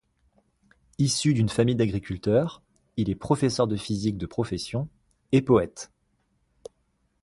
Issu d'une famille d’agriculteurs, il est professeur de physique de profession et poète.